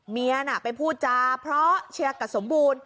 เมียน่ะไปพูดจาเพราะเชียร์กับสมบูรณ์